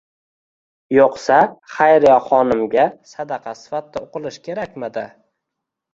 Yo'qsa, Xayriyaxonimga sadaqa sifatida o'qilishi kerakmidi?